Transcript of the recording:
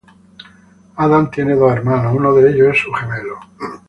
Adam tiene dos hermanos, uno de ellos es su gemelo.